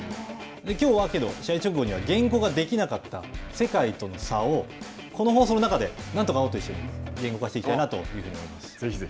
きょうは、試合直後には言語化できなかった世界との差を、この放送の中でなんとか碧と一緒に言語化していきたいなと思います。